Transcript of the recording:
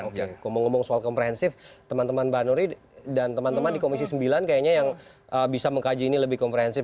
oke ngomong ngomong soal komprehensif teman teman mbak nuri dan teman teman di komisi sembilan kayaknya yang bisa mengkaji ini lebih komprehensif